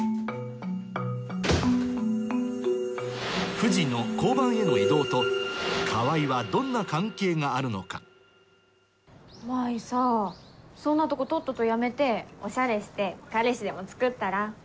藤の交番への異動と川合はどんな関係があるのか麻依さそんなとことっとと辞めてオシャレして彼氏でもつくったら？